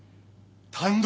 単独！